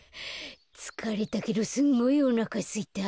つかれたけどすんごいおなかすいた。